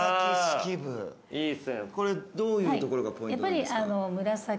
これどういうところがポイントなんですか？